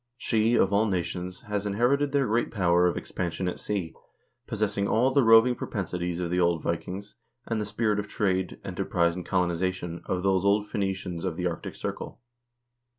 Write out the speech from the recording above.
She, of all nations, has inherited their great power of ex pansion at sea, possessing all the roving propensities of the old Vi kings, and the spirit of trade, enterprise, and colonization of those old Phoenicians of the arctic circle."